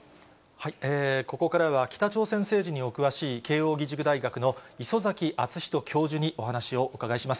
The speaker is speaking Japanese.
ここからは、北朝鮮政治にお詳しい、慶應義塾大学の礒崎敦仁教授にお話をお伺いします。